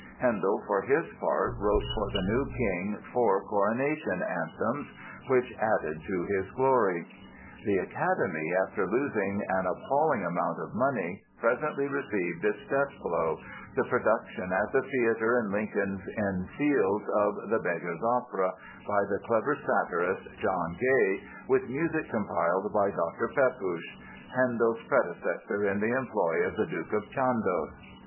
Handel, for his part, wrote for the new King four Coronation Anthems which added to his glory. The Academy, after losing an appalling amount of money presently received its death blow, the production at the theatre in Lincoln's Inn Fields of "The Beggar's Opera", by the clever satirist, John Gay, with music compiled by Dr. Pepusch, Handel's predecessor in the employ of the Duke of Chandos.